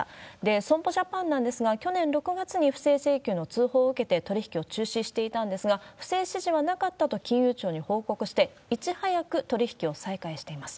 損保ジャパンなんですが、去年６月に不正請求の通報を受けて、取り引きを中止していたんですが、不正指示はなかったと金融庁に報告して、いち早く取り引きを再開しています。